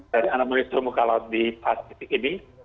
dari anomali sumuh laut di pasifik ini